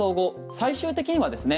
最終的にはですね